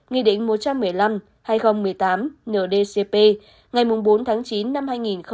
nghị định một trăm một mươi năm hai nghìn một mươi tám ndcp ngày bốn tháng chín năm hai nghìn một mươi bảy